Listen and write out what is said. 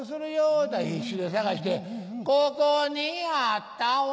言うたら必死で探して「ここにあったわ」